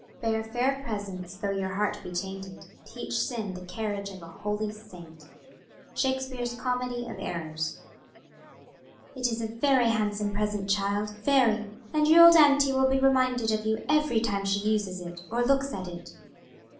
Bear fair presence, though your heart be tainted; Teach sin the carriage of a holy saint. SHAKESPEARE'S "COMEDY OF ERRORS." "It's a very handsome present, child, very; and your old auntie will be reminded of you every time she uses it, or looks at it."